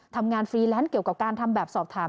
ฟรีแลนซ์เกี่ยวกับการทำแบบสอบถาม